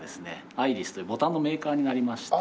アイリスというボタンのメーカーになりまして。